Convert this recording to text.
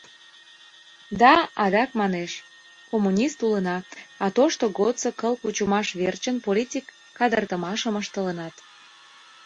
— Да, — адак манеш, — коммунист улына, а тошто годсо кыл кучымаш верчын политик кадыртымашым ыштылынат.